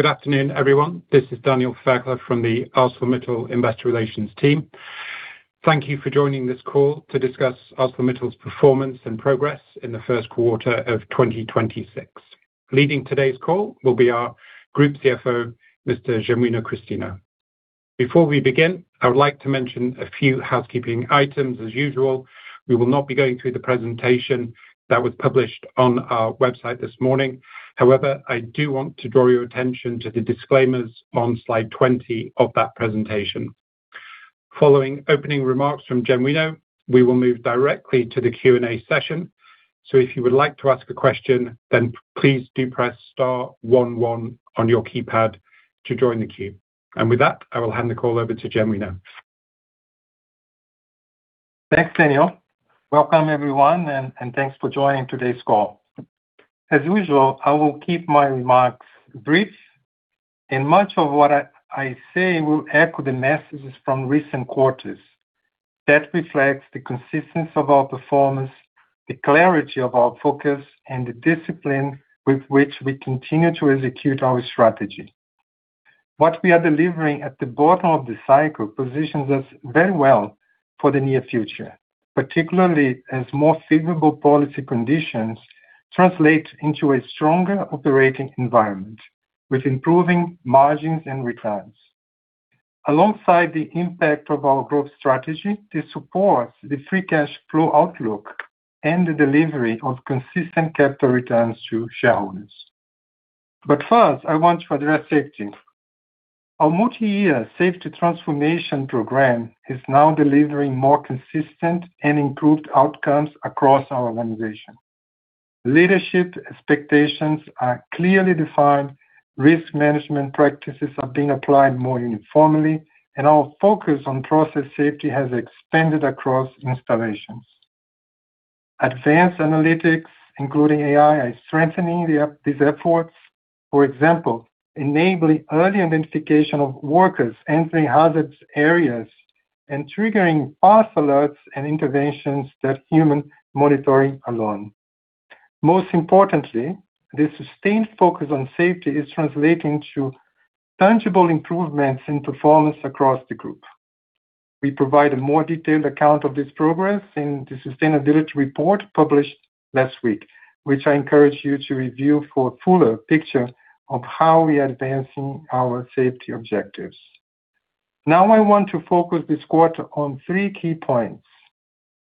Good afternoon, everyone. This is Daniel Fairclough from the ArcelorMittal Investor Relations team. Thank you for joining this call to discuss ArcelorMittal's performance and progress in the first quarter of 2026. Leading today's call will be our Group CFO, Mr. Genuino Christino. Before we begin, I would like to mention a few housekeeping items. As usual, we will not be going through the presentation that was published on our website this morning. However, I do want to draw your attention to the disclaimers on slide 20 of that presentation. Following opening remarks from Genuino, we will move directly to the Q&A session. If you would like to ask a question, please do press star one-one on your keypad to join the queue. With that, I will hand the call over to Genuino. Thanks, Daniel. Welcome everyone, and thanks for joining today's call. As usual, I will keep my remarks brief, and much of what I say will echo the messages from recent quarters. That reflects the consistency of our performance, the clarity of our focus, and the discipline with which we continue to execute our strategy. What we are delivering at the bottom of the cycle positions us very well for the near future, particularly as more favorable policy conditions translate into a stronger operating environment with improving margins and returns. Alongside the impact of our growth strategy, this supports the free cash flow outlook and the delivery of consistent capital returns to shareholders. First, I want to address safety. Our multi-year safety transformation program is now delivering more consistent and improved outcomes across our organization. Leadership expectations are clearly defined, risk management practices are being applied more uniformly, and our focus on process safety has expanded across installations. Advanced analytics, including AI, are strengthening these efforts. For example, enabling early identification of workers entering hazard areas and triggering fast alerts and interventions than human monitoring alone. Most importantly, this sustained focus on safety is translating to tangible improvements in performance across the group. We provide a more detailed account of this progress in the sustainability report published last week, which I encourage you to review for a fuller picture of how we are advancing our safety objectives. I want to focus this quarter on three key points.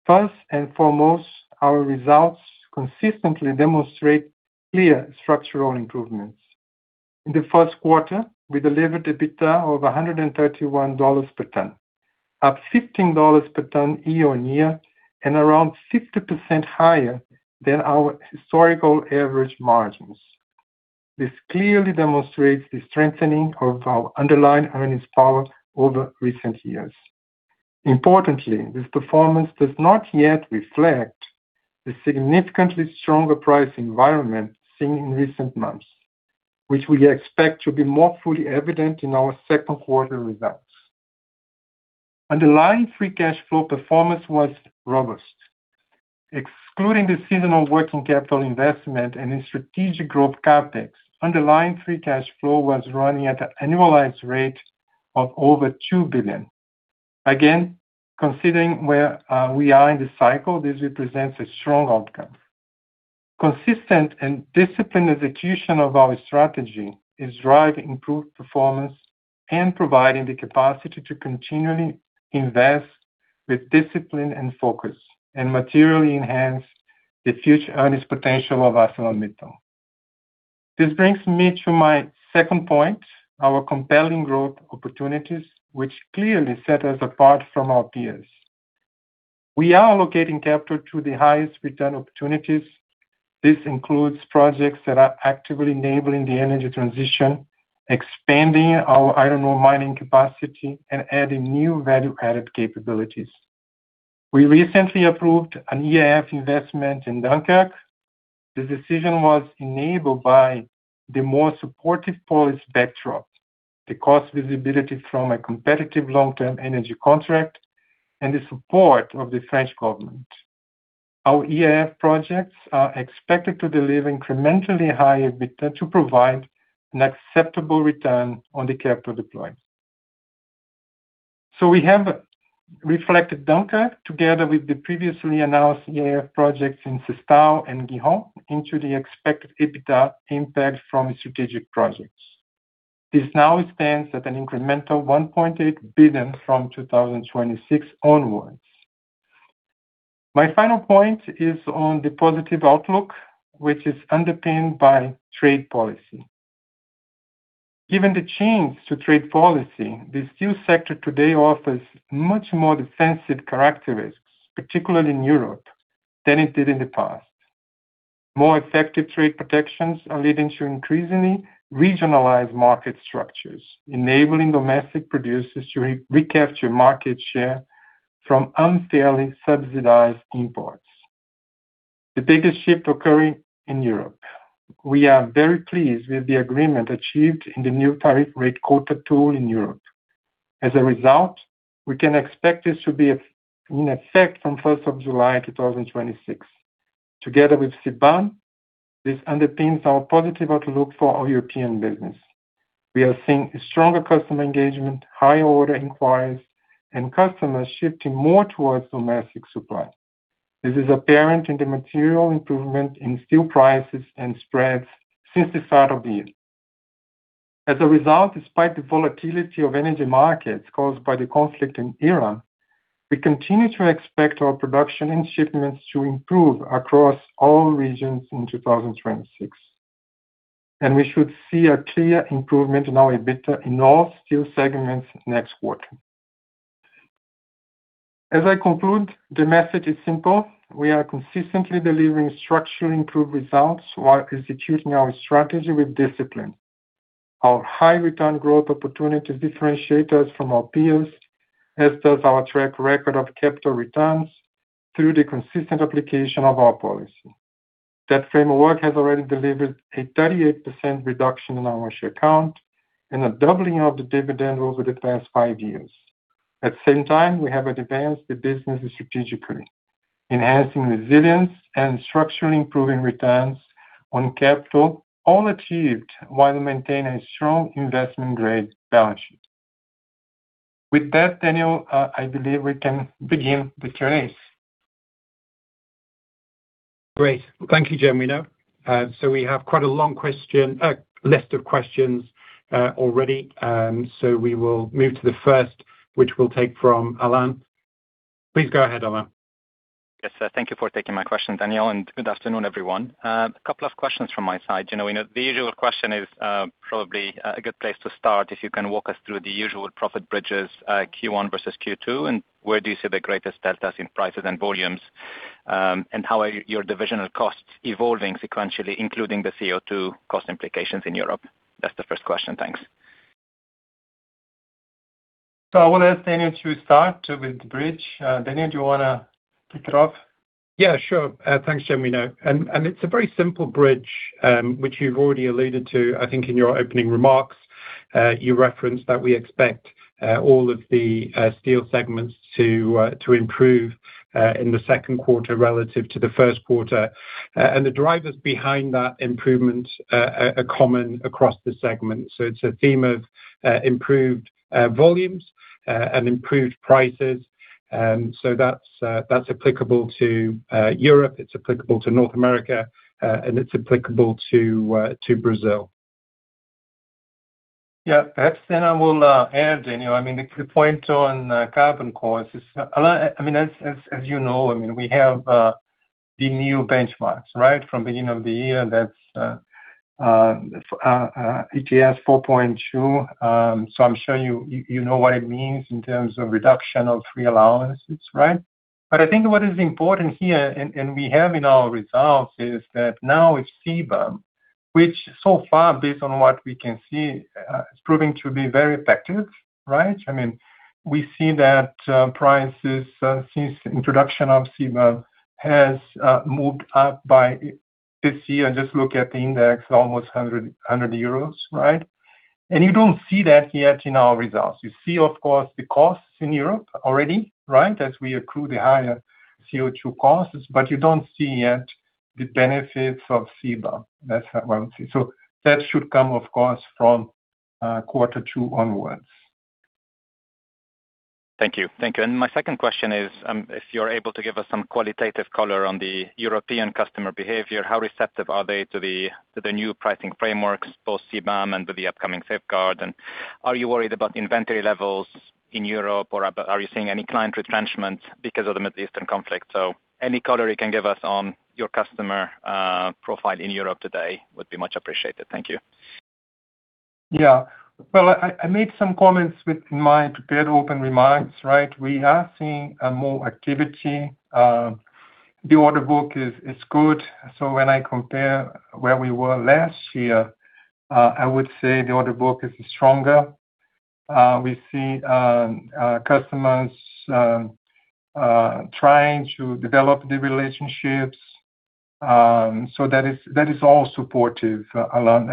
First and foremost, our results consistently demonstrate clear structural improvements. In the first quarter, we delivered EBITDA of $131 per ton, up $15 per ton year on year, and around 50% higher than our historical average margins. This clearly demonstrates the strengthening of our underlying earnings power over recent years. Importantly, this performance does not yet reflect the significantly stronger price environment seen in recent months, which we expect to be more fully evident in our second quarter results. Underlying free cash flow performance was robust. Excluding the seasonal working capital investment and in strategic growth CapEx, underlying free cash flow was running at an annualized rate of over $2 billion. Again, considering where we are in the cycle, this represents a strong outcome. Consistent and disciplined execution of our strategy is driving improved performance and providing the capacity to continually invest with discipline and focus, and materially enhance the future earnings potential of ArcelorMittal. This brings me to my second point, our compelling growth opportunities, which clearly set us apart from our peers. We are allocating capital to the highest return opportunities. This includes projects that are actively enabling the energy transition, expanding our iron ore mining capacity, and adding new value-added capabilities. We recently approved an EAF investment in Dunkirk. This decision was enabled by the more supportive policy backdrop, the cost visibility from a competitive long-term energy contract, and the support of the French government. Our EAF projects are expected to deliver incrementally higher EBITDA to provide an acceptable return on the capital deployed. We have reflected Dunkirk together with the previously announced EAF projects in Sestao and Gijón into the expected EBITDA impact from strategic projects. This now stands at an incremental 1.8 billion from 2026 onwards. My final point is on the positive outlook, which is underpinned by trade policy. Given the change to trade policy, the steel sector today offers much more defensive characteristics, particularly in Europe, than it did in the past. More effective trade protections are leading to increasingly regionalized market structures, enabling domestic producers to re-recapture market share from unfairly subsidized imports. The biggest shift occurring in Europe. We are very pleased with the agreement achieved in the new Tariff-Rate Quota tool in Europe. As a result, we can expect this to be in effect from first of July 2026. Together with CBAM, this underpins our positive outlook for our European business. We are seeing stronger customer engagement, higher order inquiries, and customers shifting more towards domestic supply. This is apparent in the material improvement in steel prices and spreads since the start of the year. As a result, despite the volatility of energy markets caused by the conflict in Iran, we continue to expect our production and shipments to improve across all regions in 2026, and we should see a clear improvement in our EBITDA in all steel segments next quarter. As I conclude, the message is simple. We are consistently delivering structurally improved results while executing our strategy with discipline. Our high return growth opportunity differentiate us from our peers, as does our track record of capital returns through the consistent application of our policy. That framework has already delivered a 38% reduction in our share count and a doubling of the dividend over the past five years. At the same time, we have advanced the business strategically, enhancing resilience and structurally improving returns on capital, all achieved while maintaining a strong investment-grade balance sheet. With that, Daniel, I believe we can begin the Q&A. Great. Thank you, Genuino. We have quite a long list of questions already. We will move to the first, which we'll take from Alain. Please go ahead, Alain. Yes, sir. Thank you for taking my question, Daniel, and good afternoon, everyone. A couple of questions from my side. You know, the usual question is probably a good place to start if you can walk us through the usual profit bridges, Q1 versus Q2, and where do you see the greatest deltas in prices and volumes? How are your divisional costs evolving sequentially, including the CO2 cost implications in Europe? That's the first question. Thanks. I want to ask Daniel to start with the bridge. Daniel, do you wanna kick it off? Yeah, sure. Thanks, Genuino Christino. It's a very simple bridge, which you've already alluded to, I think, in your opening remarks. You referenced that we expect all of the steel segments to improve in the second quarter relative to the first quarter. The drivers behind that improvement are common across the segment. It's a theme of improved volumes and improved prices. That's applicable to Europe, it's applicable to North America, and it's applicable to Brazil. Perhaps I will add, Daniel. I mean, the point on carbon costs is. I mean, as you know, I mean, we have the new benchmarks, right? From beginning of the year, that's ETS 4.2. I'm sure you know what it means in terms of reduction of free allowances, right? I think what is important here, and we have in our results, is that now with CBAM, which so far, based on what we can see, is proving to be very effective, right? I mean, we see that prices since introduction of CBAM has moved up by EUR 50. Just look at the index, almost 100 euros, right? You don't see that yet in our results. You see, of course, the costs in Europe already, right? As we accrue the higher CO2 costs, but you don't see yet the benefits of CBAM. That's how I would say. That should come, of course, from quarter two onwards. Thank you. Thank you. My second question is, if you're able to give us some qualitative color on the European customer behavior, how receptive are they to the new pricing frameworks, both CBAM and to the upcoming safeguard? Are you worried about inventory levels in Europe, or are you seeing any client retrenchment because of the Middle Eastern conflict? Any color you can give us on your customer profile in Europe today would be much appreciated. Thank you. Well, I made some comments with my prepared open remarks, right. We are seeing more activity. The order book is good, so when I compare where we were last year, I would say the order book is stronger. We see customers trying to develop the relationships. That is all supportive, Alain.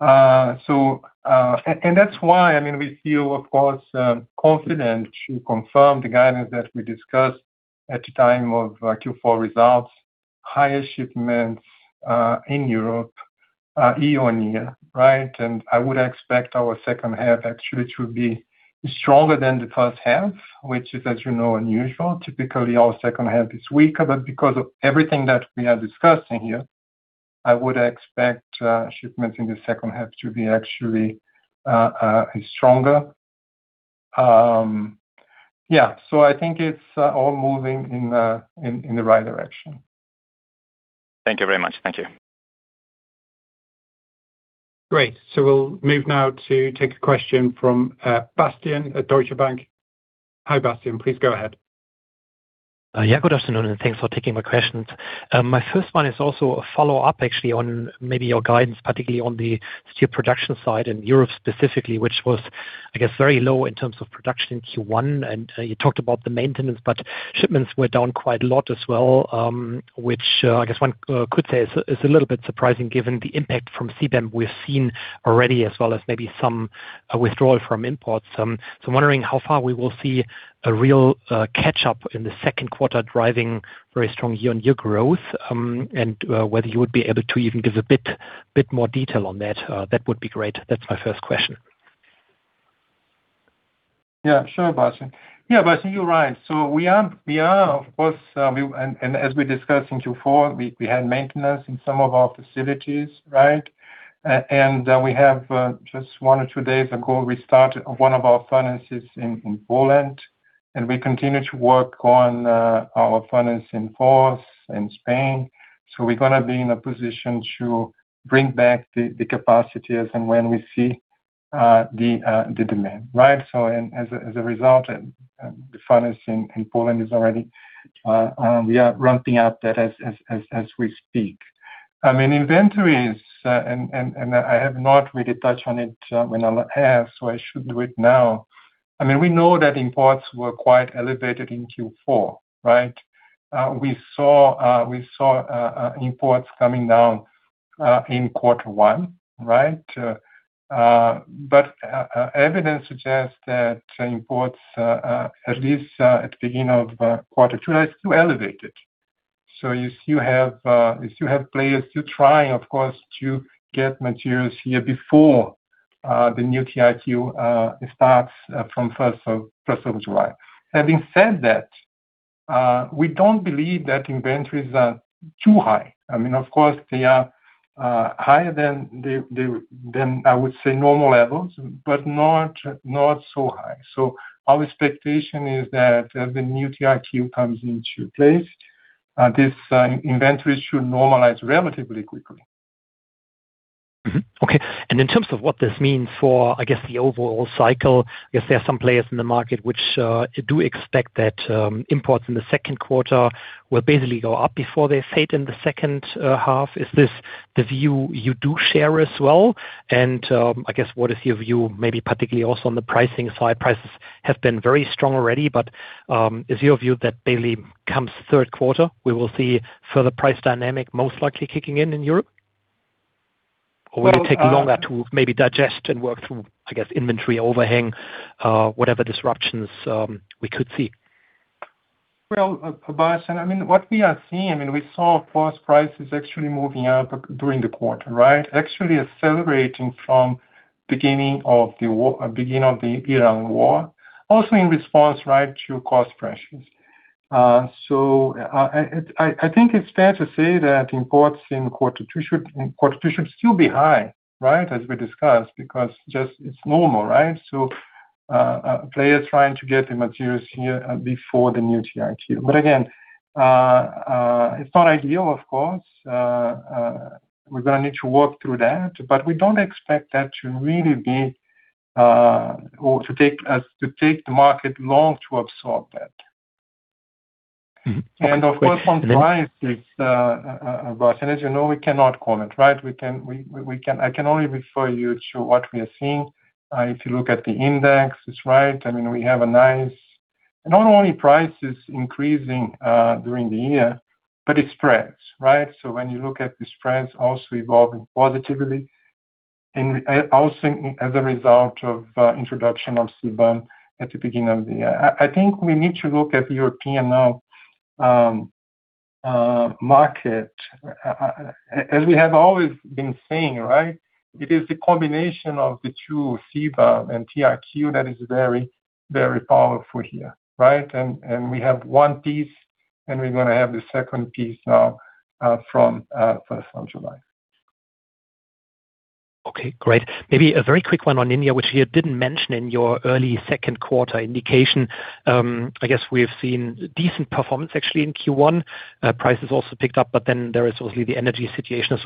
That's good. That's why, I mean, we feel, of course, confident to confirm the guidance that we discussed at the time of Q4 results, higher shipments in Europe year on year, right. I would expect our H2 actually to be stronger than the H1, which is, as you know, unusual. Typically, our H2 is weaker. Because of everything that we are discussing here, I would expect shipments in the H2 to be actually stronger. I think it's all moving in the right direction. Thank you very much. Thank you. Great. We'll move now to take a question from Bastian at Deutsche Bank. Hi, Bastian. Please go ahead. Yeah, good afternoon, thanks for taking my questions. My first one is also a follow-up actually on maybe your guidance, particularly on the steel production side in Europe specifically, which was, I guess, very low in terms of production in Q1. You talked about the maintenance, but shipments were down quite a lot as well, which, I guess one could say is a little bit surprising given the impact from CBAM we've seen already, as well as maybe some withdrawal from imports. I'm wondering how far we will see a real catch-up in the second quarter, driving very strong year on year growth, whether you would be able to even give a bit more detail on that. That would be great. That's my first question. Yeah, sure, Bastian. Yeah, Bastian, you are right. We are, of course, and as we discussed in Q4, we had maintenance in some of our facilities, right? We have just one or two days ago, we started one of our furnaces in Poland, and we continue to work on our furnace in Poland, in Spain. We are going to be in a position to bring back the capacity as and when we see the demand, right? As a result, the furnace in Poland is already, we are ramping up that as we speak. I mean, inventories, and I have not really touched on it when I have, so I should do it now. I mean, we know that imports were quite elevated in Q4, right? We saw imports coming down in quarter one, right? Evidence suggests that imports at least at the beginning of quarter two are still elevated. You still have players still trying, of course, to get materials here before the new TRQ starts from first of July. Having said that, we don't believe that inventories are too high. I mean, of course, they are higher than I would say normal levels, but not so high. Our expectation is that as the new TRQ comes into place, this inventories should normalize relatively quickly. Mm-hmm. Okay. In terms of what this means for, I guess, the overall cycle, I guess there are some players in the market which do expect that imports in the second quarter will basically go up before they fade in the H2. Is this the view you do share as well? I guess what is your view maybe particularly also on the pricing side? Prices have been very strong already, is your view that mainly comes third quarter, we will see further price dynamic most likely kicking in in Europe? Will it take longer to maybe digest and work through, I guess, inventory overhang, whatever disruptions we could see? Well, Bastian, I mean, what we are seeing, I mean, we saw force prices actually moving up during the quarter, right? Actually accelerating from beginning of the Iran war, also in response, right, to cost pressures. I think it's fair to say that imports in quarter two should still be high, right, as we discussed, because just it's normal, right? Players trying to get the materials here before the new TRQ. Again, it's not ideal, of course. We're gonna need to work through that, but we don't expect that to really be or to take the market long to absorb that. Mm-hmm. Of course, on price, Bastian, as you know, we cannot comment, right. We can only refer you to what we are seeing. If you look at the index, it's right. Not only prices increasing during the year, but it spreads, right. When you look at the spreads also evolving positively and also as a result of introduction of CBAM at the beginning of the year. I think we need to look at European, now, market. As we have always been saying, right. It is the combination of the two, CBAM and TRQ that is very, very powerful here, right. We have one piece, and we're gonna have the second piece now from first of July. Okay, great. Maybe a very quick one on India, which you didn't mention in your early second quarter indication. I guess we've seen decent performance actually in Q1. Prices also picked up, there is obviously the energy situation.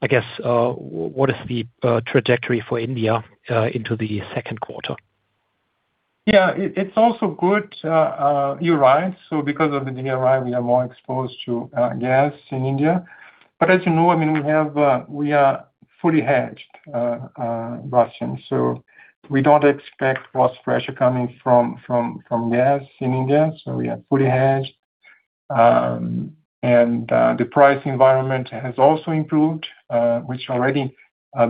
I guess what is the trajectory for India into the second quarter? Yeah. It, it's also good, you're right. Because of the DRI, we are more exposed to gas in India. As you know, I mean, we have we are fully hedged, Bastian. We don't expect cost pressure coming from gas in India, so we are fully hedged. The price environment has also improved, which already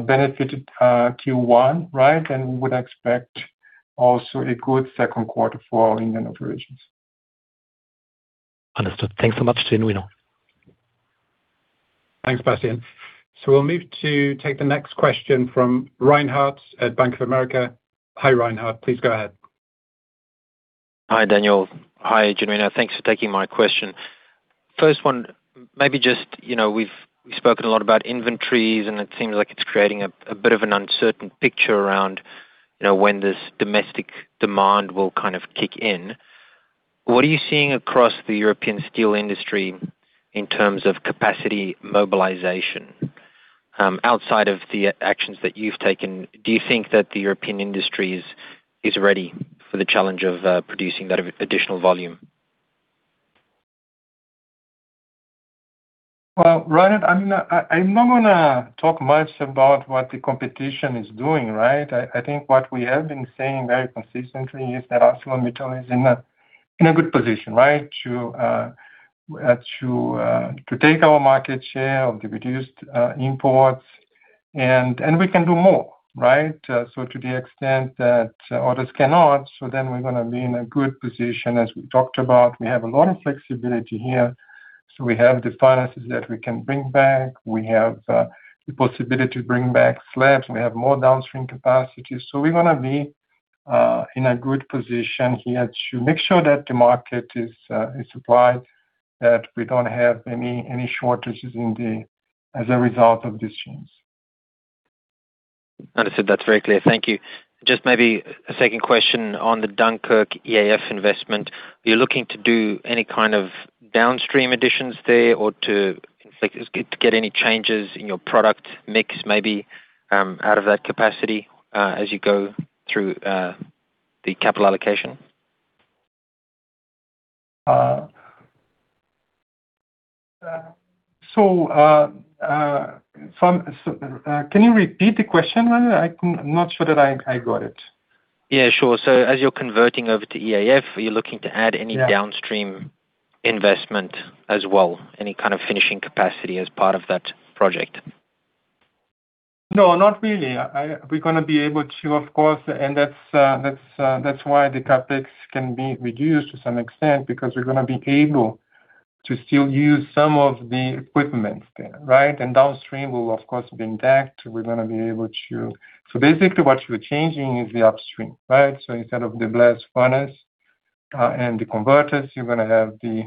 benefited Q1, right? We would expect also a good second quarterfor our Indian operations. Understood. Thanks so much, Genuino. Thanks, Bastian. We'll move to take the next question from Reinhardt at Bank of America. Hi, Reinhardt. Please go ahead. Hi, Daniel. Hi, Genuino Christino. Thanks for taking my question. First one, maybe just, you know, we've spoken a lot about inventories, and it seems like it's creating a bit of an uncertain picture around, you know, when this domestic demand will kind of kick in. What are you seeing across the European steel industry in terms of capacity mobilization? Outside of the actions that you've taken, do you think that the European industry is ready for the challenge of producing that additional volume? Reinhardt, I'm not gonna talk much about what the competition is doing, right? I think what we have been saying very consistently is that ArcelorMittal is in a good position, right? to take our market share of the reduced imports, and we can do more, right? To the extent that others cannot, we're gonna be in a good position. As we talked about, we have a lot of flexibility here. We have the furnaces that we can bring back. We have the possibility to bring back slabs. We have more downstream capacity. We're gonna be in a good position here to make sure that the market is supplied, that we don't have any shortages as a result of these changes. Understood. That's very clear. Thank you. Maybe a second question on the Dunkirk EAF investment. Are you looking to do any kind of downstream additions there or to, like, get any changes in your product mix, maybe, out of that capacity, as you go through the capital allocation? Can you repeat the question, Reinhardt? I'm not sure that I got it. Yeah, sure. As you're converting over to EAF, are you looking to add any? Yeah... downstream investment as well, any kind of finishing capacity as part of that project? No, not really. We're gonna be able to, of course. That's why the CapEx can be reduced to some extent because we're gonna be able to still use some of the equipment there, right? Downstream will of course be intact. We're gonna be able to. Basically what we're changing is the upstream, right? Instead of the blast furnace and the converters, you're gonna have the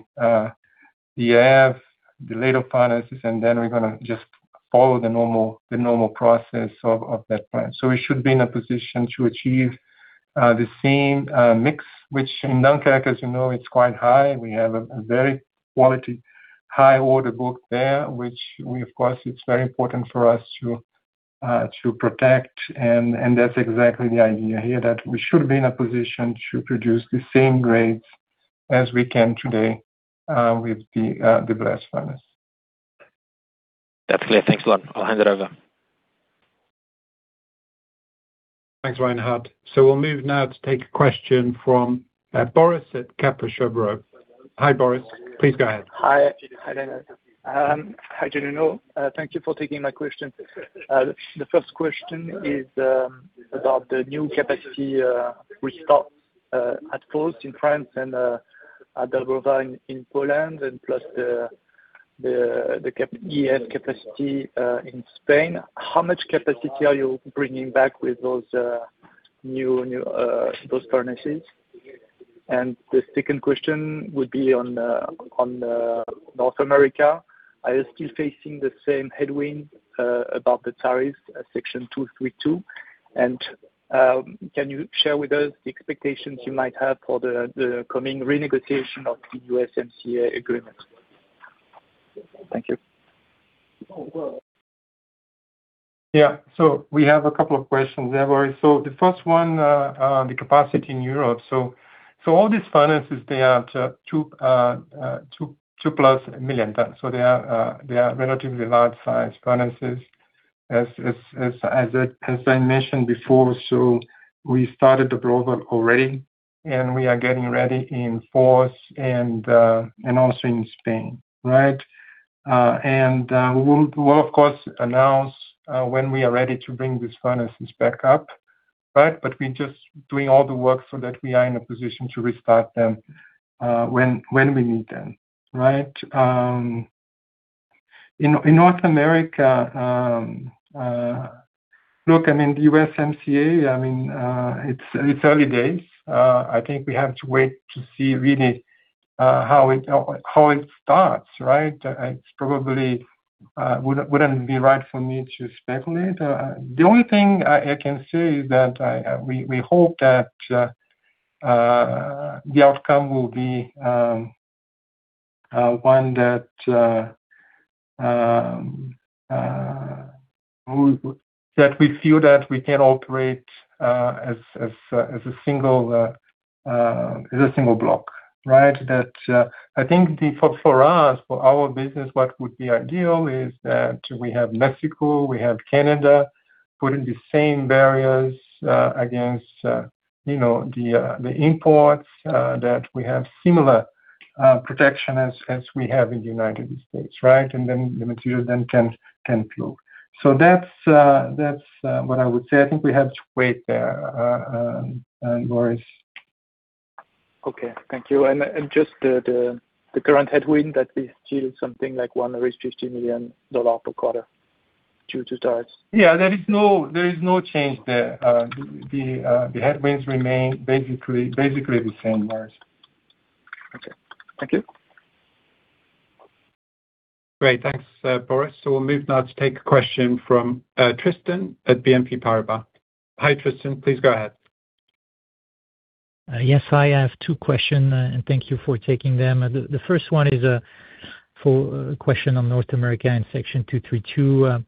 EAF, the ladle furnaces, and then we're gonna just follow the normal process of that plant. We should be in a position to achieve the same mix, which in Dunkirk, as you know, it's quite high. We have a very quality high order book there, which we of course it's very important for us to protect. That's exactly the idea here, that we should be in a position to produce the same grades as we can today, with the blast furnace. That's clear. Thanks a lot. I'll hand it over. Thanks, Reinhardt. We'll move now to take a question from Boris at Kepler Cheuvreux. Hi, Boris. Please go ahead. Hi. Hi, Reinhardt. Hi, Genuino Christino. Thank you for taking my question. The first question is about the new capacity we start at first in France and at Dąbrowa Górnicza in Poland and plus the EAF capacity in Spain. How much capacity are you bringing back with those new those furnaces? The second question would be on North America. Are you still facing the same headwind about the tariffs, Section 232? Can you share with us the expectations you might have for the coming renegotiation of the USMCA agreement? Thank you. Yeah. We have a couple of questions there, Boris. The first one, the capacity in Europe. All these furnaces, they are 2+ million tons. They are relatively large size furnaces. As I mentioned before, we started the global already and we are getting ready in force and also in Spain, right? And we'll of course announce when we are ready to bring these furnaces back up, right? We're just doing all the work so that we are in a position to restart them when we need them, right? In North America, look, I mean, the USMCA, I mean, it's early days. I think we have to wait to see really how it starts, right? It's probably wouldn't be right for me to speculate. The only thing I can say is that we hope that the outcome will be one that we feel that we can operate as a single block, right? I think for us, for our business, what would be ideal is that we have Mexico, we have Canada putting the same barriers against, you know, the imports that we have similar protection as we have in the United States, right? Then the materials then can flow. That's what I would say. I think we have to wait there, Boris. Okay. Thank you. Just the current headwind that we've seen something like $150 million per quarter due to starts. Yeah. There is no change there. The headwinds remain basically the same, Boris. Okay. Thank you. Great. Thanks, Boris. We'll move now to take a question from Tristan at BNP Paribas. Hi, Tristan. Please go ahead. Yes, I have two question, and thank you for taking them. The first one is for a question on North America and Section 232.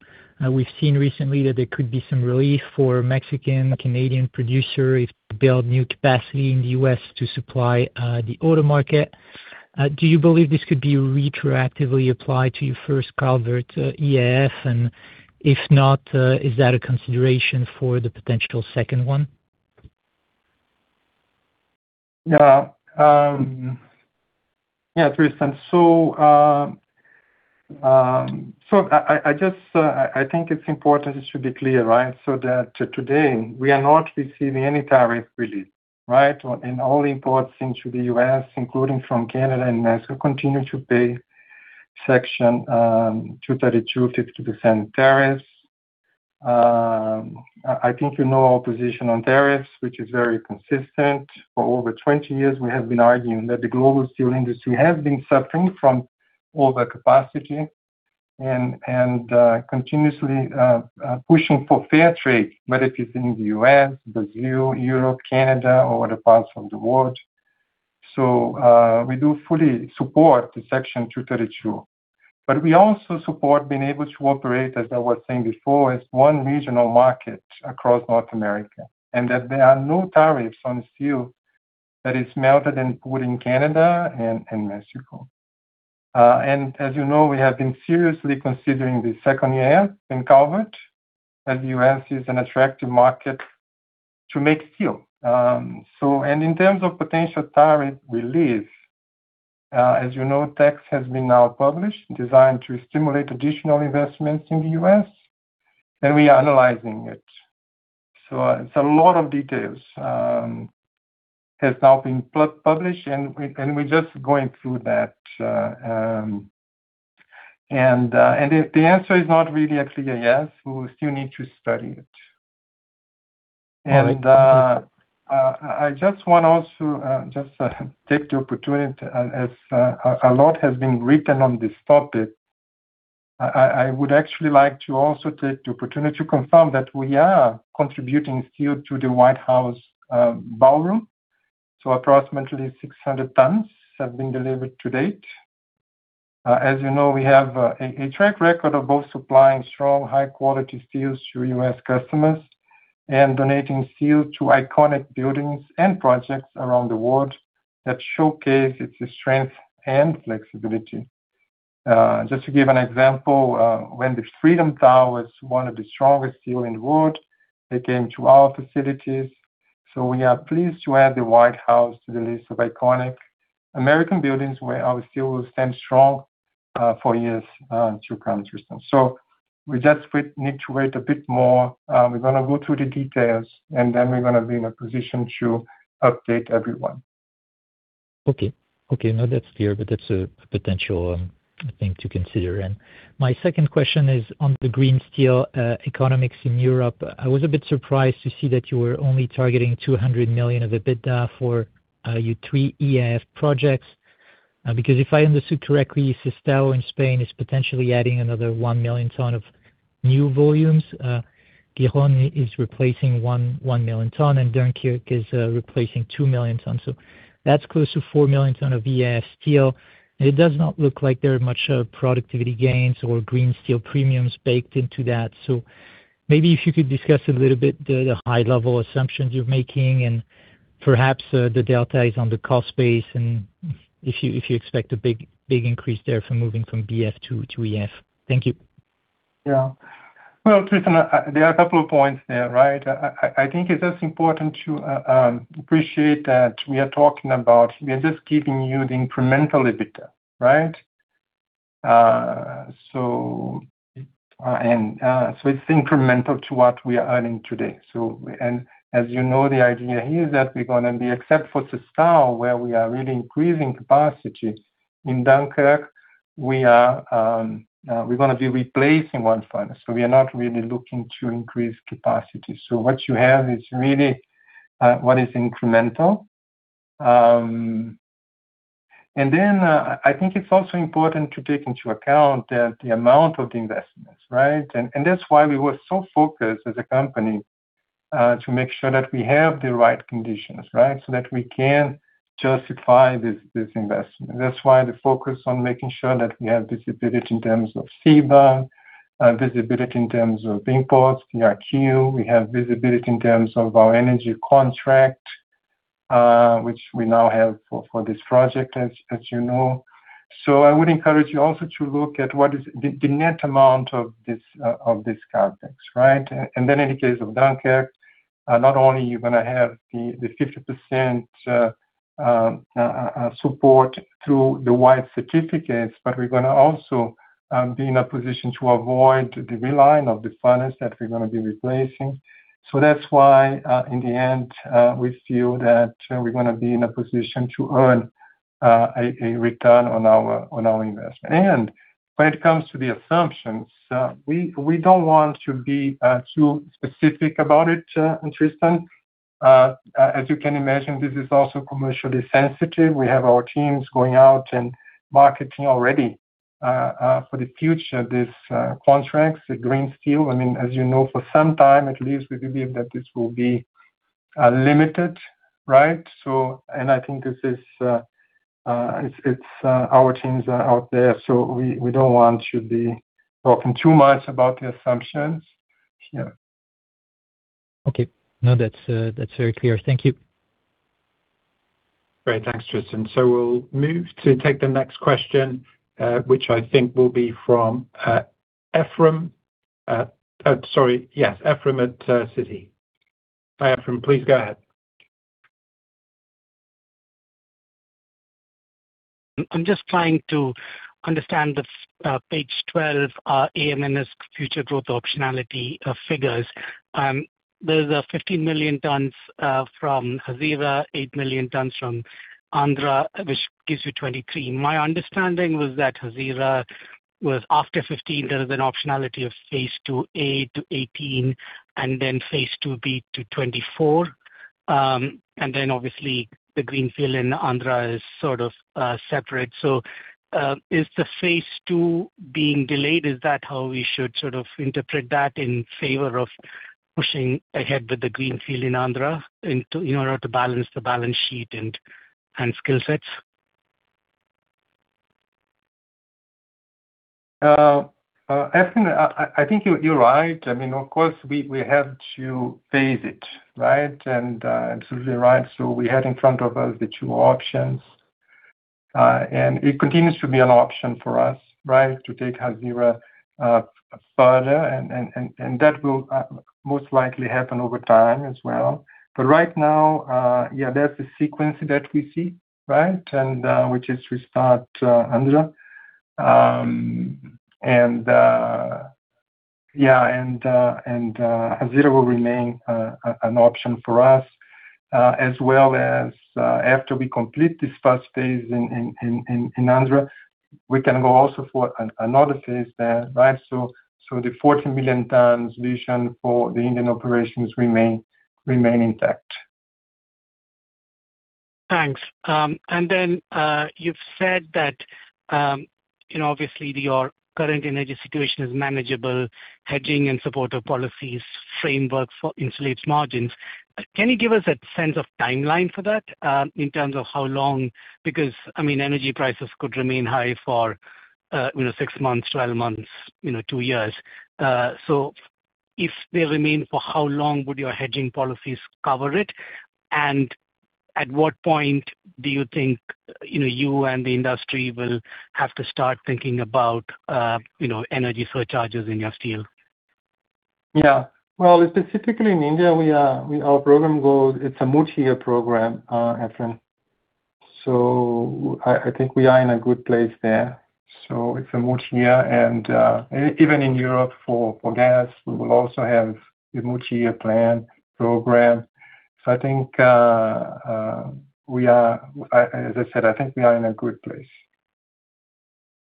We've seen recently that there could be some relief for Mexican Canadian producer if they build new capacity in the U.S. to supply the auto market. Do you believe this could be retroactively applied to your first Calvert EAF? If not, is that a consideration for the potential 2nd one? Yeah, Tristan. I just, I think it's important to be clear, right? That today we are not receiving any tariff relief, right? All imports into the U.S., including from Canada and Mexico, continue to pay Section 232 50% tariffs. I think you know our position on tariffs, which is very consistent. For over 20 years, we have been arguing that the global steel industry has been suffering from overcapacity and continuously pushing for fair trade, whether it is in the U.S., Brazil, Europe, Canada, or other parts of the world. We do fully support the Section 232, but we also support being able to operate, as I was saying before, as one regional market across North America, and that there are no tariffs on steel that is melted and put in Canada and Mexico. As you know, we have been seriously considering the second year in Calvert that U.S. is an attractive market to make steel. In terms of potential tariff relief, as you know, tax has been now published, designed to stimulate additional investments in the U.S., and we are analyzing it. It's a lot of details, has now been published and we're just going through that. The answer is not really actually a yes. We still need to study it. I just want also just take the opportunity to, as a lot has been written on this topic, I would actually like to also take the opportunity to confirm that we are contributing steel to the White House Ballroom. Approximately 600 tons have been delivered to date. As you know, we have a track record of both supplying strong, high-quality steels to U.S. customers and donating steel to iconic buildings and projects around the world that showcase its strength and flexibility. Just to give an example, when the Freedom Tower was one of the strongest steel in the world, it came to our facilities. We are pleased to add the White House to the list of iconic American buildings where our steel will stand strong for years to come. Tristan. We just need to wait a bit more. We're gonna go through the details and then we're gonna be in a position to update everyone. Okay. Okay, now that's clear, that's a potential thing to consider. My second question is on the green steel economics in Europe. I was a bit surprised to see that you were only targeting 200 million of EBITDA for your three EAF projects. If I understood correctly, Sestao in Spain is potentially adding another 1 million ton of new volumes. Gijón is replacing 1 million ton, Dunkirk is replacing 2 million ton. That's close to 4 million ton of EAF steel. It does not look like there are much productivity gains or green steel premiums baked into that. Maybe if you could discuss a little bit the high level assumptions you're making and perhaps the delta is on the cost base and if you, if you expect a big increase there from moving from BF to EAF. Thank you. Yeah. Well, Tristan, there are two points there, right? I think it is important to appreciate that we are talking about we are just giving you the incremental EBITDA, right? It's incremental to what we are earning today. As you know, the idea here is that we're gonna be, except for Sestao, where we are really increasing capacity. In Dunkirk, we are, we're gonna be replacing one furnace, we are not really looking to increase capacity. What you have is really what is incremental. I think it's also important to take into account the amount of the investments, right? That's why we were so focused as a company to make sure that we have the right conditions, right? That we can justify this investment. That's why the focus on making sure that we have visibility in terms of CBAM, visibility in terms of imports, TRQ, we have visibility in terms of our energy contract, which we now have for this project, as you know. I would encourage you also to look at what is the net amount of this CapEx, right? In the case of Dunkirk, not only are you gonna have the 50% support through the white certificates, but we're gonna also be in a position to avoid the reliance of the finance that we're gonna be replacing. That's why, in the end, we feel that we're gonna be in a position to earn a return on our investment. When it comes to the assumptions, we don't want to be too specific about it, Tristan. As you can imagine, this is also commercially sensitive. We have our teams going out and marketing already for the future, these contracts, the green steel. I mean, as you know, for some time at least, we believe that this will be limited, right? I think this is, it's our teams are out there, so we don't want to be talking too much about the assumptions. Yeah. Okay. No, that's very clear. Thank you. Great. Thanks, Tristan. We'll move to take the next question, which I think will be from Ephrem. Sorry. Yes, Ephrem at Citi. Hi, Ephrem. Please go ahead. I'm just trying to understand the page 12 AM and its future growth optionality figures. There's a 15 million tons from Hazira, 8 million tons from Andhra, which gives you 23. My understanding was that Hazira was after 15, there is an optionality of phase II-A to 18, and then phase II-B to 24. Then obviously the greenfield in Andhra is sort of separate. Is the phase II being delayed? Is that how we should sort of interpret that in favor of pushing ahead with the greenfield in Andhra in order to balance the balance sheet and skill sets? Ephrem, I think you're right. I mean, of course we have to phase it, right? Absolutely right. We had in front of us the two options. It continues to be an option for us, right? To take Hazira further and that will most likely happen over time as well. Right now, that's the sequence that we see, right? Which is we start Andhra. Hazira will remain an option for us as well as after we complete this first phase in Andhra, we can go also for another phase there, right? The 14 million tons vision for the Indian operations remain intact. Thanks. You've said that, you know, obviously your current energy situation is manageable, hedging and supportive policies framework for insulates margins. Can you give us a sense of timeline for that, in terms of how long? I mean, energy prices could remain high for, you know, six months, 12 months, you know, two years. If they remain, for how long would your hedging policies cover it? At what point do you think, you know, you and the industry will have to start thinking about, you know, energy surcharges in your steel? Yeah. Well, specifically in India, our program goal, it's a multi-year program, Ephrem. I think we are in a good place there. It's a multi-year and even in Europe for gas, we will also have a multi-year plan program. I, as I said, I think we are in a good place.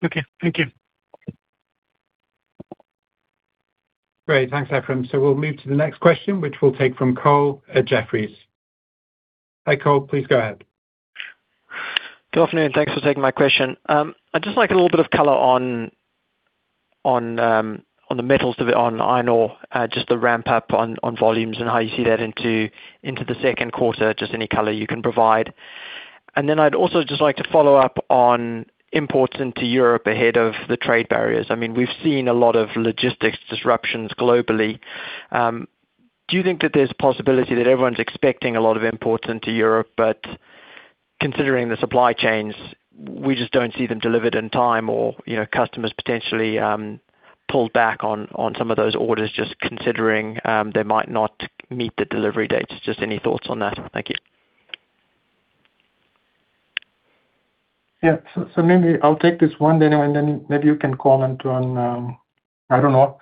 Okay. Thank you. Great. Thanks, Ephrem. We'll move to the next question, which we'll take from Cole at Jefferies. Hi, Cole, please go ahead. Good afternoon. Thanks for taking my question. I'd just like a little bit of color on the metals, on iron ore, just the ramp up on volumes and how you see that into the second quarter. Just any color you can provide. I'd also just like to follow up on imports into Europe ahead of the trade barriers. I mean, we've seen a lot of logistics disruptions globally. Do you think that there's a possibility that everyone's expecting a lot of imports into Europe, but considering the supply chains, we just don't see them delivered in time or, you know, customers potentially pull back on some of those orders just considering they might not meet the delivery dates? Just any thoughts on that. Thank you. Yeah. Maybe I'll take this one then, and then maybe you can comment on, I don't know.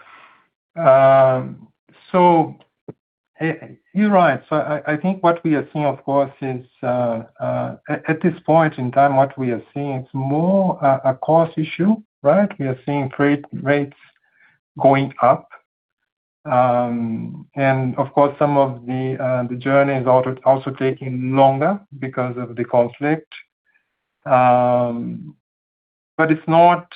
You're right. I think what we are seeing, of course, is at this point in time, what we are seeing is more a cost issue, right? We are seeing freight rates going up. Of course, some of the journey is also taking longer because of the conflict. It's not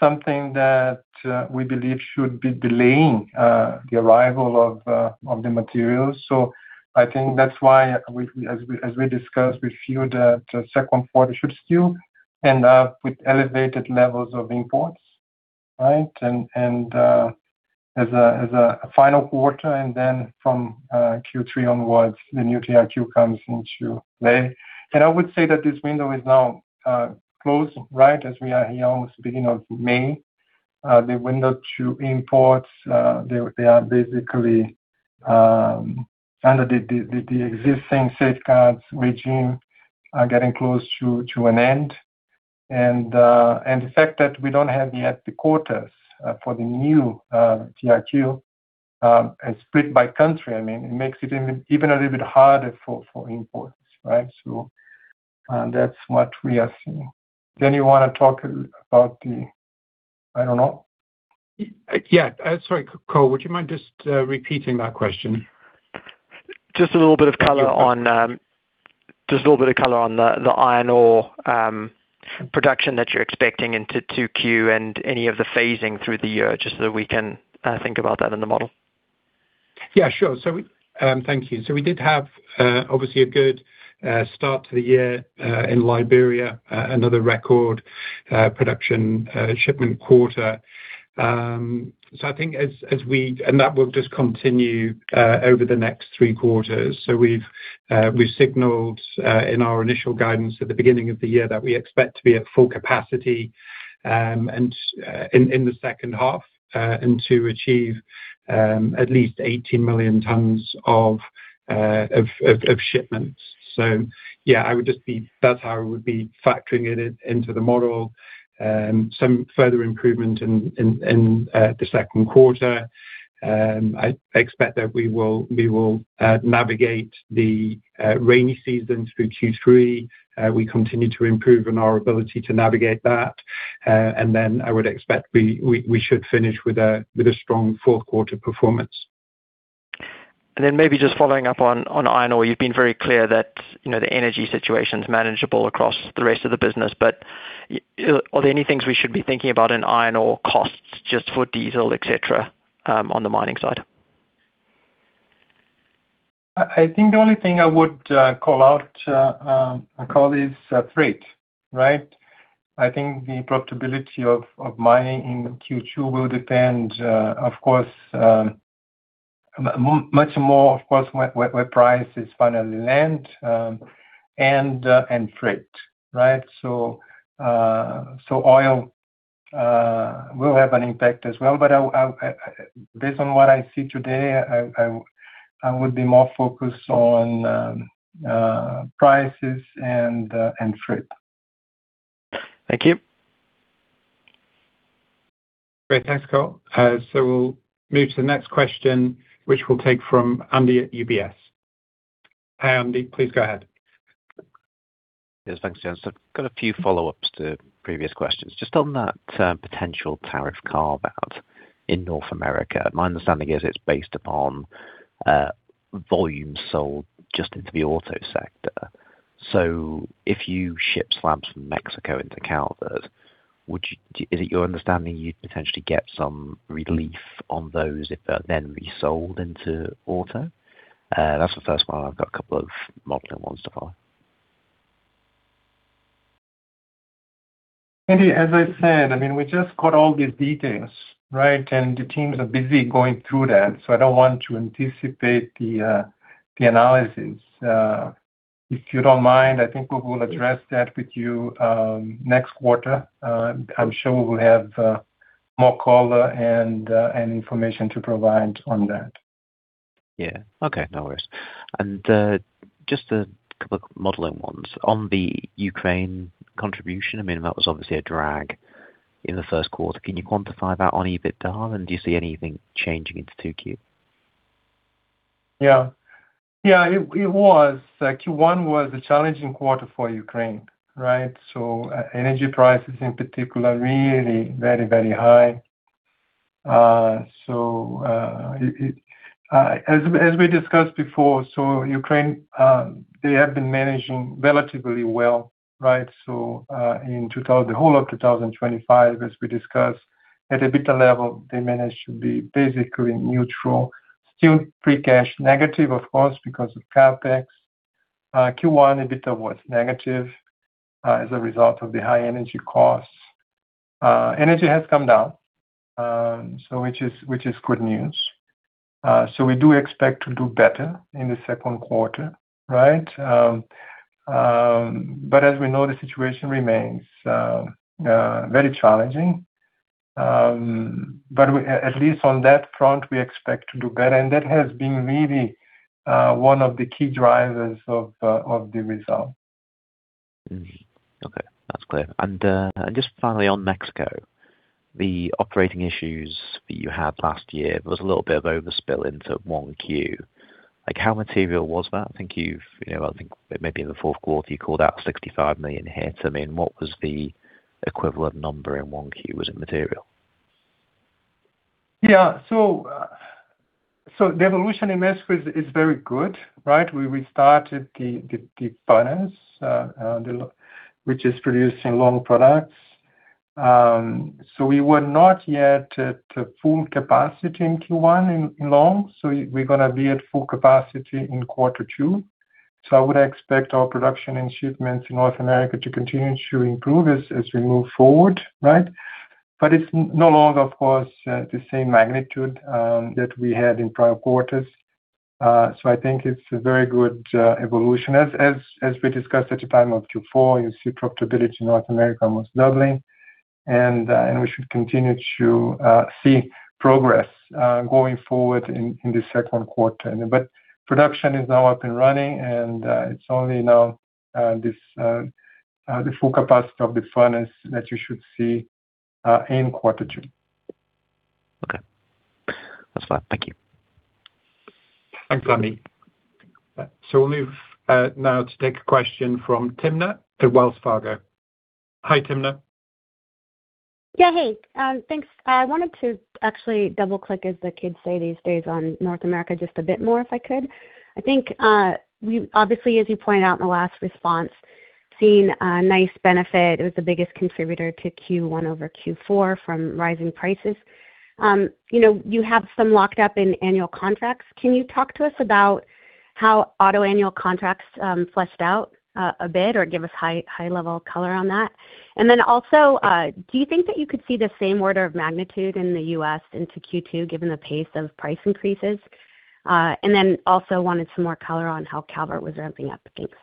something that we believe should be delaying the arrival of the materials. I think that's why we, as we discussed, we feel that the second quarter should still end up with elevated levels of imports, right? As a final quarter from Q3 onwards, the new TRQ comes into play. I would say that this window is now closed, right? As we are here almost beginning of May, the window to import, they are basically under the existing safeguards regime are getting close to an end. The fact that we don't have yet the quotas for the new TRQ, and split by country, I mean, it makes it even a little bit harder for imports, right? That's what we are seeing. Danny, you wanna talk about I don't know. Yeah. Sorry, Cole, would you mind just repeating that question? Just a little bit of color on the iron ore production that you're expecting into 2Q and any of the phasing through the year, just so we can think about that in the model. Thank you. We did have obviously a good start to the year in Liberia, another record production shipment quarter. That will just continue over the next three quarters. We've signaled in our initial guidance at the beginning of the year that we expect to be at full capacity and in the H2 and to achieve at least 18 million tons of shipments. That's how I would be factoring it into the model. Some further improvement in the second quarter. I expect that we will navigate the rainy season through Q3. We continue to improve on our ability to navigate that. I would expect we should finish with a strong fourth quarter performance. Maybe just following up on iron ore. You've been very clear that, you know, the energy situation is manageable across the rest of the business. Are there any things we should be thinking about in iron ore costs just for diesel, et cetera, on the mining side? I think the only thing I would call out, I call is freight, right. I think the profitability of mining in Q2 will depend, of course, much more, of course, where price is finally land, and freight, right. Oil will have an impact as well, but I, based on what I see today, I would be more focused on prices and freight. Thank you. Great. Thanks, Cole Hathorn. We'll move to the next question, which we'll take from Andy at UBS. Hi, Andy. Please go ahead. Yes, thanks, James. I've got a few follow-ups to previous questions. Just on that potential tariff carve-out in North America. My understanding is it's based upon volumes sold just into the auto sector. If you ship slabs from Mexico into Calvert, is it your understanding you'd potentially get some relief on those if they're then resold into auto? That's the first one. I've got a couple of modeling ones to follow. Andy, as I said, I mean, we just got all these details, right? The teams are busy going through that, so I don't want to anticipate the analysis. If you don't mind, I think we will address that with you next quarter. I'm sure we'll have more color and information to provide on that. Yeah. Okay. No worries. Just a couple of modeling ones. On the Ukraine contribution, I mean, that was obviously a drag in the first quarter. Can you quantify that on EBITDA? Do you see anything changing into 2Q? It was. Q1 was a challenging quarter for Ukraine, right? Energy prices in particular, really very high. As we discussed before, Ukraine, they have been managing relatively well, right? In the whole of 2025, as we discussed, at EBITDA level, they managed to be basically neutral. Free cash negative, of course, because of CapEx. Q1, EBITDA was negative, as a result of the high energy costs. Energy has come down, which is good news. We do expect to do better in the second quarter, right? As we know, the situation remains very challenging. We, at least on that front, we expect to do better. That has been really one of the key drivers of the result. Okay. That's clear. Just finally on Mexico, the operating issues that you had last year, there was a little bit of overspill into 1Q. Like, how material was that? I think you've, you know, maybe in the fourth quarter, you called out $65 million hit. I mean, what was the equivalent number in 1Q? Was it material? The evolution in Mexico is very good, right? We restarted the furnace, which is producing long products. We were not yet at full capacity in Q1 in long. We're going to be at full capacity in quarter two. I would expect our production and shipments in North America to continue to improve as we move forward, right? It's no longer, of course, the same magnitude that we had in prior quarters. I think it's a very good evolution. As we discussed at the time of Q4, you see profitability in North America almost doubling. We should continue to see progress going forward in second quarter. Production is now up and running, and it's only now, this, the full capacity of the furnace that you should see in quarter two. Okay. That's fine. Thank you. Thanks, Andy. We'll move now to take a question from Timna at Wells Fargo. Hi, Timna. Yeah. Hey, thanks. I wanted to actually double-click, as the kids say these days, on North America just a bit more, if I could. I think, obviously, as you pointed out in the last response, seen a nice benefit. It was the biggest contributor to Q1 over Q4 from rising prices. You know, you have some locked up in annual contracts. Can you talk to us about how auto annual contracts fleshed out a bit or give us high-level color on that? Also, do you think that you could see the same order of magnitude in the U.S. into Q2, given the pace of price increases? Also wanted some more color on how Calvert was ramping up. Thanks.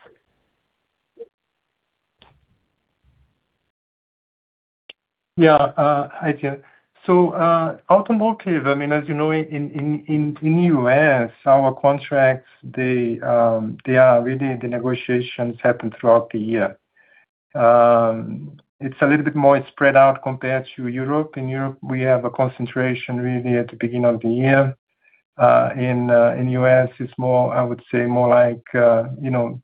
Yeah. Hi, Tim. Automotive, I mean, as you know, in the U.S., our contracts, they are really the negotiations happen throughout the year. It's a little bit more spread out compared to Europe. In Europe, we have a concentration really at the beginning of the year. In the U.S., it's more, I would say more like, you know,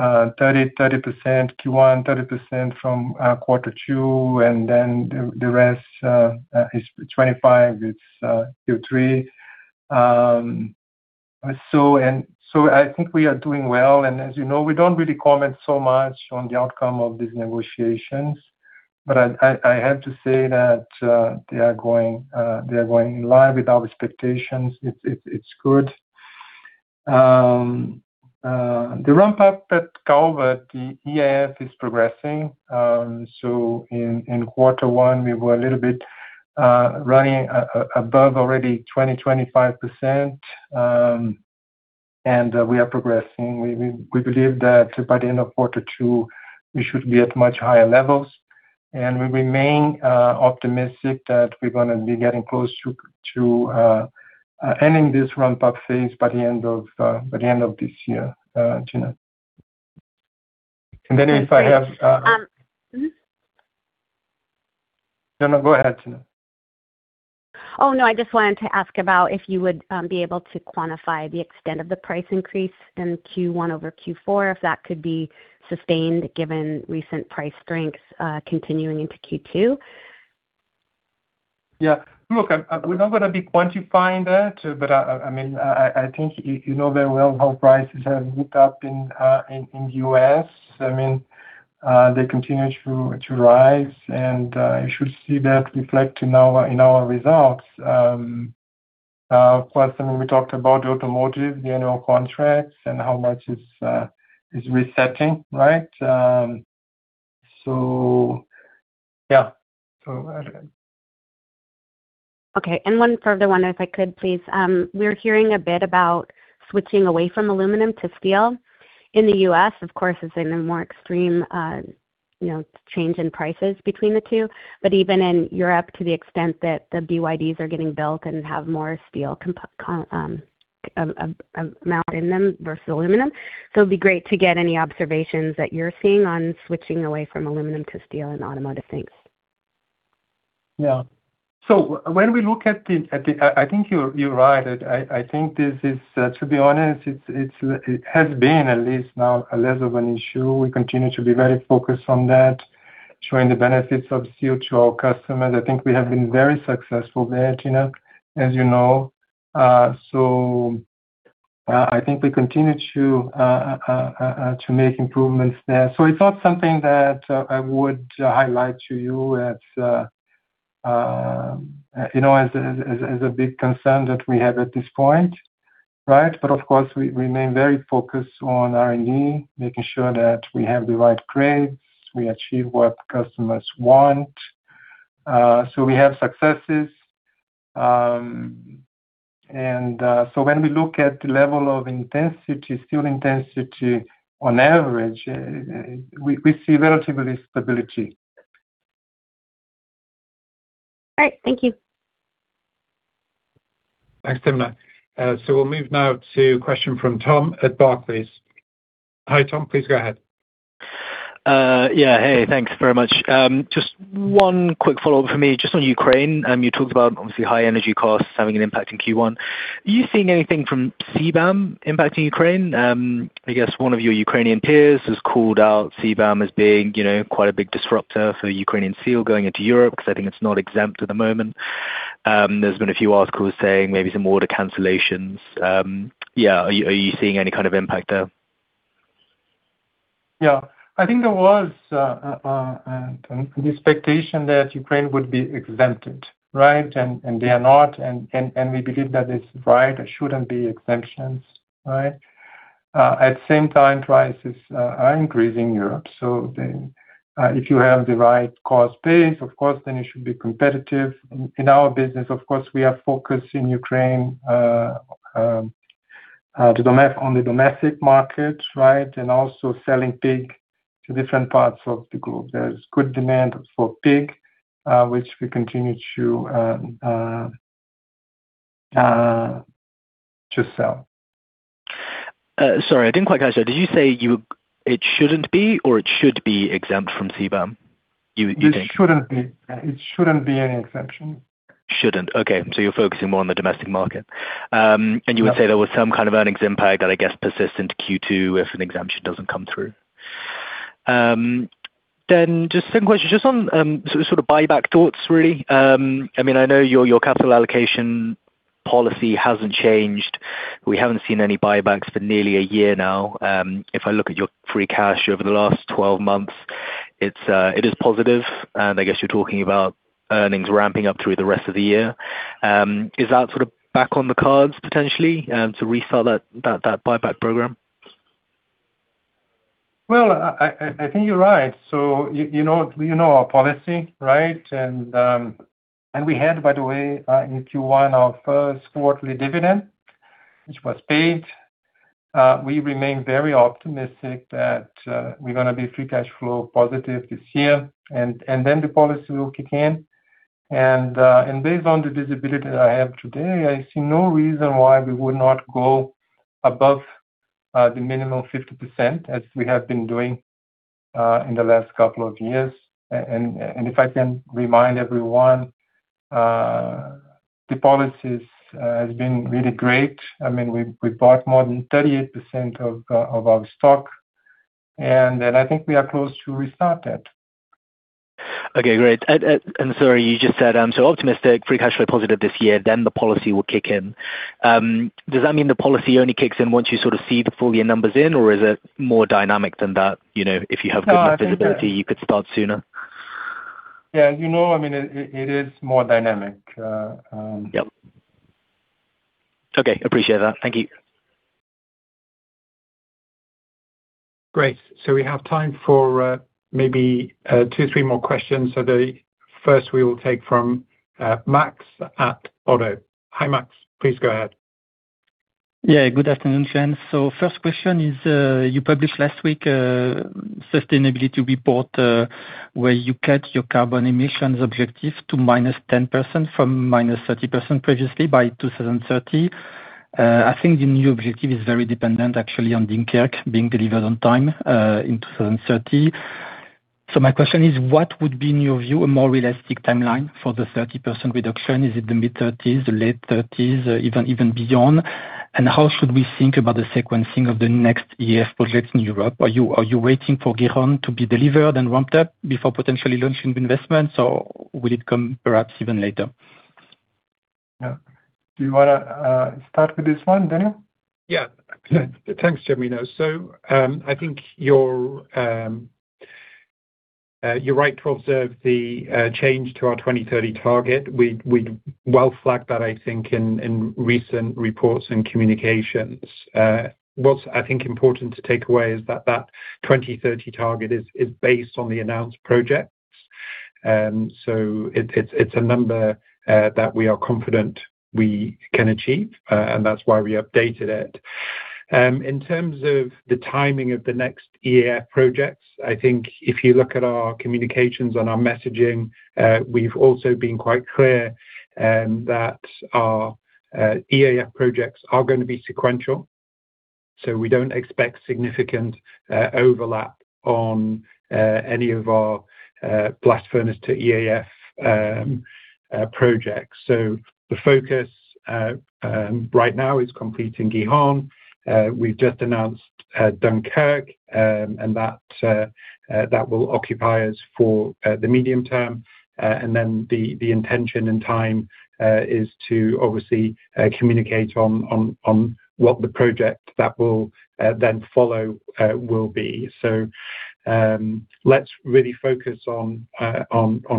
30% Q1, 30% from quarter two, and then the rest is 25%. It's Q3. So and so I think we are doing well. As you know, we don't really comment so much on the outcome of these negotiations. I have to say that they are going in line with our expectations. It's good. The ramp up at Calvert, the EAF is progressing. In quarter one, we were a little bit running above already 20%-25%. We are progressing. We believe that by the end of quarter two, we should be at much higher levels. We remain optimistic that we're going to be getting close to ending this ramp-up phase by the end of this year, Timna. mm-hmm. No, no, go ahead, Timna. Oh, no, I just wanted to ask about if you would be able to quantify the extent of the price increase in Q1 over Q4, if that could be sustained given recent price strengths, continuing into Q2. Yeah. Look, I'm, we're not gonna be quantifying that. I mean, I think you know very well how prices have moved up in the U.S. I mean, they continue to rise, and you should see that reflect in our results. Of course, I mean, we talked about automotive, the annual contracts and how much is resetting, right? Yeah. Okay. One further one, if I could, please. We're hearing a bit about switching away from aluminum to steel. In the U.S., of course, it's been a more extreme, you know, change in prices between the two. Even in Europe, to the extent that the BYDs are getting built and have more steel amount in them versus aluminum. It'd be great to get any observations that you're seeing on switching away from aluminum to steel in automotive. Thanks. I think you're right. I think this is, to be honest, it has been at least now a less of an issue. We continue to be very focused on that, showing the benefits of steel to our customers. I think we have been very successful there, Timna, as you know. I think we continue to make improvements there. It's not something that I would highlight to you as, you know, as a big concern that we have at this point, right? Of course, we remain very focused on R&D, making sure that we have the right grades, we achieve what customers want. We have successes. When we look at the level of intensity, steel intensity on average, we see relatively stability. All right. Thank you. Thanks, Timna. We'll move now to a question from Tom at Barclays. Hi, Tom, please go ahead. Yeah. Hey, thanks very much. Just one quick follow-up for me just on Ukraine. You talked about obviously high energy costs having an impact in Q1. Are you seeing anything from CBAM impacting Ukraine? I guess one of your Ukrainian peers has called out CBAM as being, you know, quite a big disruptor for Ukrainian steel going into Europe because I think it's not exempt at the moment. There's been a few articles saying maybe some order cancellations. Yeah. Are you seeing any kind of impact there? I think there was an expectation that Ukraine would be exempted, right? They are not. We believe that it's right. There shouldn't be exemptions, right? At the same time, prices are increasing Europe. If you have the right cost base, of course, then you should be competitive. In our business, of course, we are focused in Ukraine on the domestic market, right? Also selling pig to different parts of the globe. There's good demand for pig, which we continue to sell. Sorry, I didn't quite catch that. Did you say it shouldn't be or it should be exempt from CBAM, you think? It shouldn't be. It shouldn't be an exemption. Shouldn't. Okay. You're focusing more on the domestic market. Yeah. You would say there was some kind of earnings impact that I guess persistent Q2 if an exemption doesn't come through. Just some questions just on sort of buyback thoughts, really. I mean, I know your capital allocation policy hasn't changed. We haven't seen any buybacks for nearly a year now. If I look at your free cash over the last 12 months, it's, it is positive, and I guess you're talking about earnings ramping up through the rest of the year. Is that sort of back on the cards potentially, to restart that buyback program? Well, I think you're right. You know, you know our policy, right? We had, by the way, in Q1 our first quarterly dividend, which was paid. We remain very optimistic that we're gonna be free cash flow positive this year. Then the policy will kick in. Based on the visibility that I have today, I see no reason why we would not go above the minimum 50% as we have been doing in the last couple of years. If I can remind everyone, the policies has been really great. I mean, we bought more than 38% of our stock, then I think we are close to restart that. Okay, great. Sorry, you just said, optimistic, free cash flow positive this year, the policy will kick in. Does that mean the policy only kicks in once you sort of see the full year numbers in, or is it more dynamic than that? You know, if you have good visibility, you could start sooner. Yeah. You know, I mean it is more dynamic. Yep. Okay. Appreciate that. Thank you. Great. We have time for, maybe, 2, 3 more questions. The first we will take from Max at Oddo. Hi, Max, please go ahead. Good afternoon, gents. First question is, you published last week a sustainability report where you cut your carbon emissions objective to -10% from -30% previously by 2030. I think the new objective is very dependent actually on Dunkirk being delivered on time in 2030. My question is, what would be, in your view, a more realistic timeline for the 30% reduction? Is it the mid-30s, late 30s, even beyond? How should we think about the sequencing of the next year's projects in Europe? Are you waiting for Gijón to be delivered and ramped up before potentially launching investments, or will it come perhaps even later? Yeah. Do you wanna start with this one, Daniel? Yeah. Thanks, Genuino. I think you're right to observe the change to our 2030 target. We'd well flagged that, I think in recent reports and communications. What's, I think, important to take away is that that 2030 target is based on the announced projects. It's a number that we are confident we can achieve, and that's why we updated it. In terms of the timing of the next EAF projects, I think if you look at our communications on our messaging, we've also been quite clear that our EAF projects are gonna be sequential. We don't expect significant overlap on any of our blast furnace to EAF projects. The focus right now is completing Gijón. We've just announced Dunkirk, and that will occupy us for the medium term. Then the intention and time is to obviously communicate on what the project that will then follow will be. Let's really focus on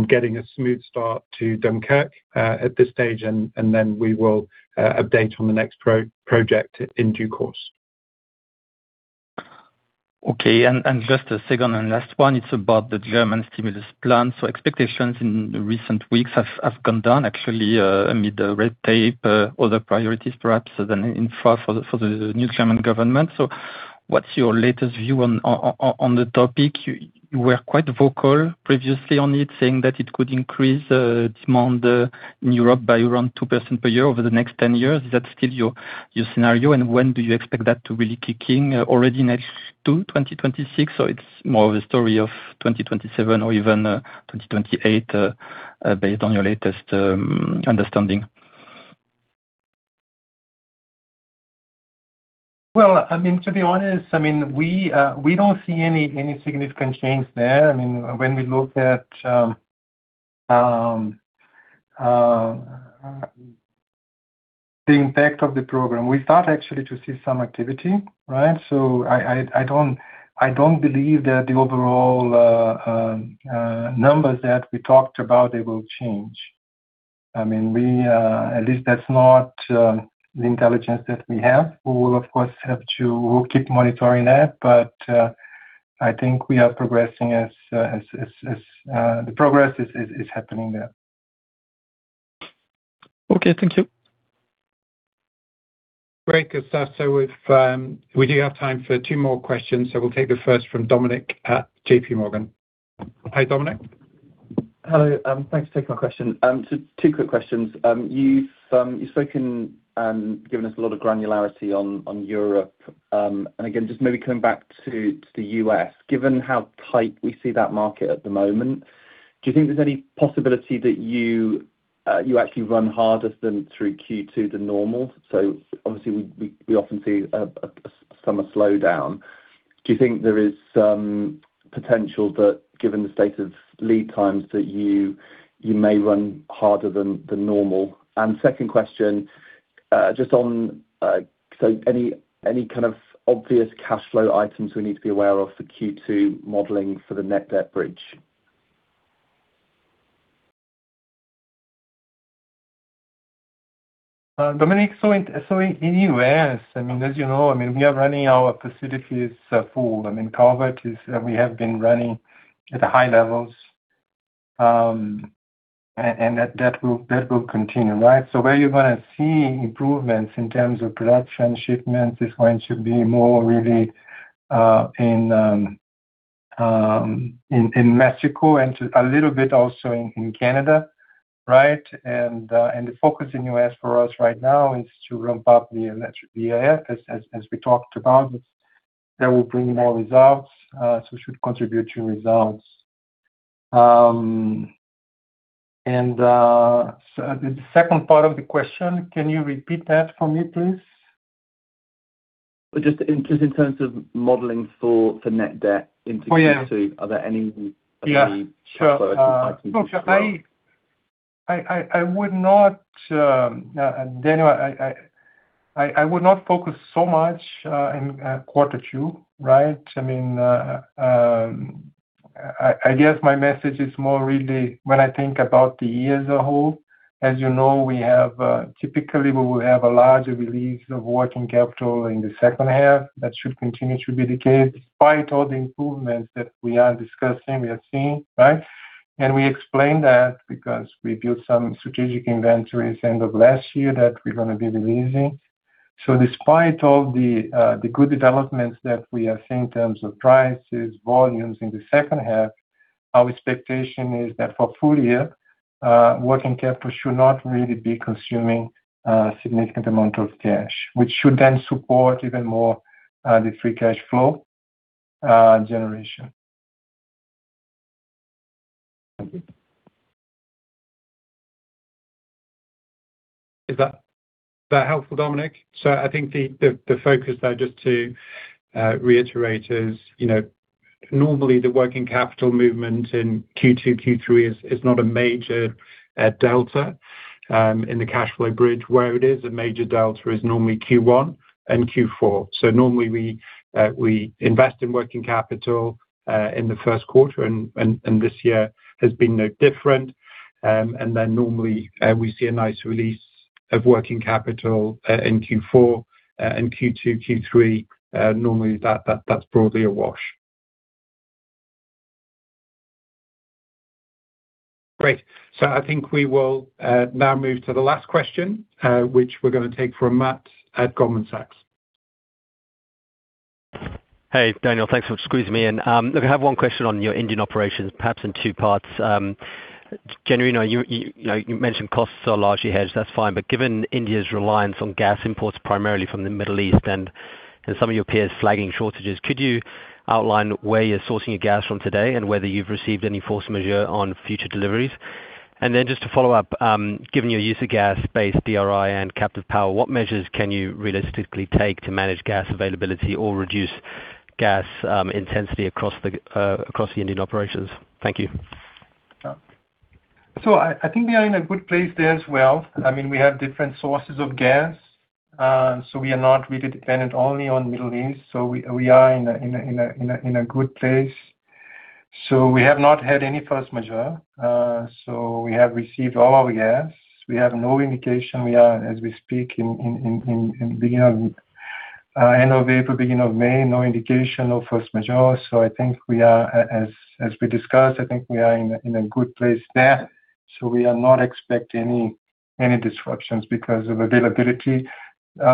getting a smooth start to Dunkirk at this stage, and then we will update on the next project in due course. Okay. Just a second and last one. It's about the German stimulus plan. Expectations in the recent weeks have gone down actually, amid the red tape, other priorities perhaps than infra for the new German government. What's your latest view on the topic? You were quite vocal previously on it, saying that it could increase demand in Europe by around 2% per year over the next 10 years. Is that still your scenario? When do you expect that to really kicking? Already next to 2026, or it's more of a story of 2027 or even 2028, based on your latest understanding? I mean, to be honest, I mean, we don't see any significant change there. I mean, when we look at the impact of the program, we start actually to see some activity, right? I don't believe that the overall numbers that we talked about, they will change. I mean, we, at least that's not the intelligence that we have. We will of course keep monitoring that. I think we are progressing as the progress is happening there. Okay. Thank you. Great. If, we do have time for two more questions. We'll take the first from Dominic at JPMorgan. Hi, Dominic. Hello. Thanks for taking my question. Two quick questions. You've spoken, given us a lot of granularity on Europe. And again, just maybe coming back to the U.S. Given how tight we see that market at the moment, do you think there's any possibility that you actually run harder than through Q2 than normal? Obviously we often see a summer slowdown. Do you think there is some potential that given the state of lead times that you may run harder than normal? Second question, just on any kind of obvious cash flow items we need to be aware of for Q2 modeling for the net debt bridge? Dominic, so in U.S., I mean, as you know, I mean, we are running our facilities full. I mean, Calvert is, we have been running at the high levels. That will continue, right? Where you're gonna see improvements in terms of production, shipments is going to be more really in Mexico and a little bit also in Canada, right? The focus in U.S. for us right now is to ramp up the EAF as we talked about. That will bring more results, so it should contribute to results. The second part of the question, can you repeat that for me, please? Just in terms of modeling for net debt into Q2. Oh, yeah. are there any? Yeah Any color or insights you can share? Look, I would not, Daniel, I would not focus so much in quarter 2, right? I mean, I guess my message is more really when I think about the year as a whole. As you know, we have, typically we will have a larger release of working capital in the H2. That should continue to be the case despite all the improvements that we are discussing, we are seeing, right? We explained that because we built some strategic inventories end of last year that we're gonna be releasing. Despite all the good developments that we have seen in terms of prices, volumes in the H2, our expectation is that for full year, working capital should not really be consuming a significant amount of cash, which should then support even more, the free cash flow, generation. Thank you. Is that helpful, Dominic? I think the focus there, just to reiterate is, you know, normally the working capital movement in Q2, Q3 is not a major delta in the cash flow bridge. Where it is a major delta is normally Q1 and Q4. Normally we invest in working capital in the first quarter and this year has been no different. Normally we see a nice release of working capital in Q4. In Q2, Q3, normally that's broadly a wash. Great. I think we will now move to the last question, which we're gonna take from Matt at Goldman Sachs. Hey, Daniel. Thanks for squeezing me in. Look, I have one question on your Indian operations, perhaps in two parts. Generally, you know, you mentioned costs are largely hedged, that's fine. Given India's reliance on gas imports primarily from the Middle East and some of your peers flagging shortages, could you outline where you're sourcing your gas from today and whether you've received any force majeure on future deliveries? Then just to follow up, given your use of gas-based DRI and captive power, what measures can you realistically take to manage gas availability or reduce gas intensity across the Indian operations? Thank you. I think we are in a good place there as well. I mean, we have different sources of gas, we are not really dependent only on Middle East. We are in a good place. We have not had any force majeure, we have received all our gas. We have no indication we are, as we speak, in beginning of end of April, beginning of May, no indication of force majeure. I think we are, as we discussed, I think we are in a good place there. We are not expecting any disruptions because of availability.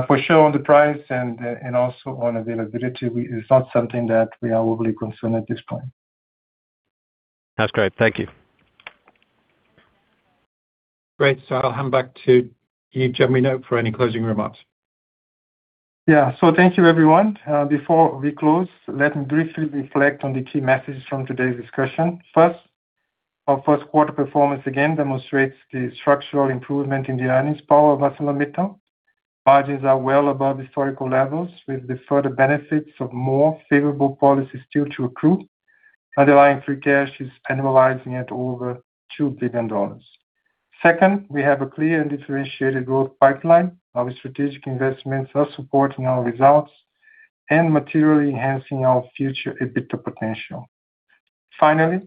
For sure on the price and also on availability, It's not something that we are overly concerned at this point. That's great. Thank you. Great. I'll hand back to you, Genuino Christino, for any closing remarks. Yeah. Thank you, everyone. Before we close, let me briefly reflect on the key messages from today's discussion. First, our first quarter performance again demonstrates the structural improvement in the earnings power of ArcelorMittal. Margins are well above historical levels with the further benefits of more favorable policies still to accrue. Underlying free cash is annualizing at over $2 billion. Second, we have a clear and differentiated growth pipeline. Our strategic investments are supporting our results and materially enhancing our future EBITDA potential. Finally,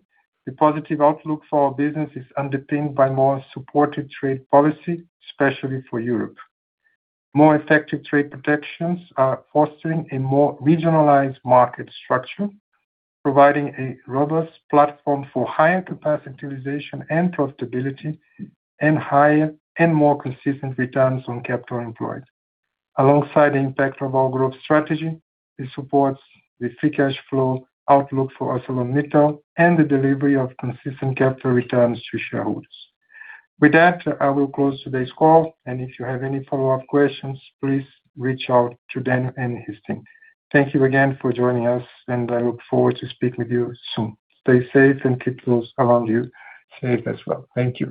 the positive outlook for our business is underpinned by more supported trade policy, especially for Europe. More effective trade protections are fostering a more regionalized market structure, providing a robust platform for higher capacity utilization and profitability, and higher and more consistent returns on capital employed. Alongside the impact of our growth strategy, this supports the free cash flow outlook for ArcelorMittal and the delivery of consistent capital returns to shareholders. With that, I will close today's call, and if you have any follow-up questions, please reach out to Dan and his team. Thank you again for joining us, and I look forward to speak with you soon. Stay safe and keep those around you safe as well. Thank you.